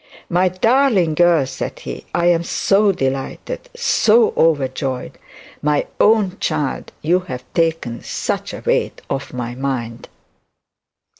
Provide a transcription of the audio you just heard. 'My darling girl,' said he, 'I am so delighted, so overjoyed. My own child; you have taken such a weight off my mind.'